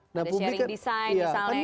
ada sharing design misalnya gitu ya